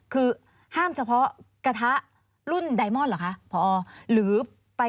คือห้ามเฉพาะกะทะรุ่นไดม็อลเหรอคะ